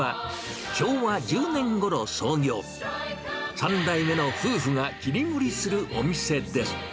３代目の夫婦が切り盛りするお店です。